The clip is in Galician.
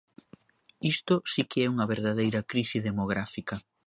Isto si que é unha verdadeira crise demográfica.